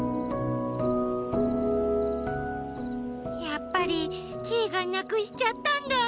やっぱりキイがなくしちゃったんだ。